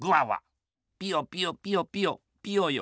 ピヨピヨピヨピヨピヨヨ。